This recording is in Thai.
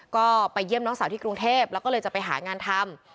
ก็ไปเยี่ยมน้องสาวที่กรุงเทพแล้วก็เลยจะไปหางานทำ